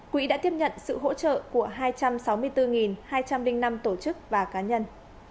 quỹ đã tiếp nhận sự hỗ trợ của hai trăm sáu mươi bốn hai trăm linh năm tổ chức và cá nhân